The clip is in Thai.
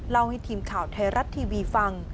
เล่าให้ทีมข่าวไทยรัฐทีวีฟัง